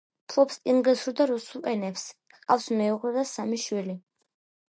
ფლობს ინგლისურ და რუსულ ენებს, ჰყავს მეუღლე და სამი შვილი.